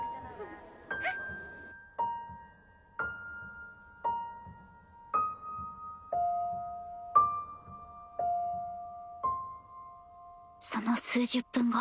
あっその数十分後。